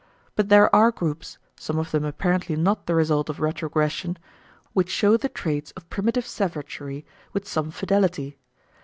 But there are groups some of them apparently not the result of retrogression which show the traits of primitive savagery with some fidelity.